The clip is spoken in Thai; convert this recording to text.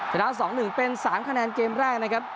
ชนะ๒๑เป็น๓คะแนนเกมแรกนะครับ